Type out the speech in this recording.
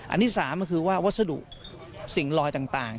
อันที่๓ก็คือว่าวัสดุสิ่งลอยต่าง